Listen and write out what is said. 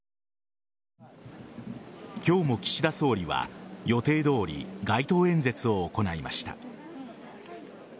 今日も岸田総理は予定どおり街頭演説を行いました。